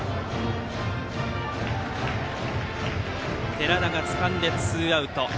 寺田がつかんでツーアウト。